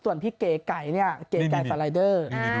ส่วนพี่เก๊ใก๋เนี่ยเก๊ใก๋สไตรเดอร์